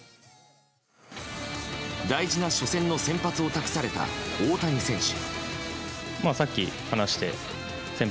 大事な初戦の先発を託された大谷選手。